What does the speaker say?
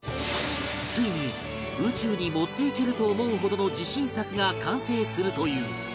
ついに宇宙に持っていけると思うほどの自信作が完成するという